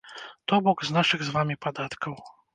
То бок, з нашых з вамі падаткаў.